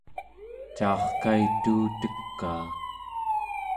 caarkaituutekaa